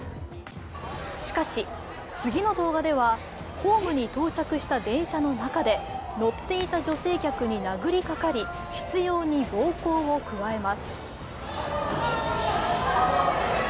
しかし、次の動画ではホームに到着した電車の中で乗っていた女性客に殴りかかり、執ように暴行を加えます。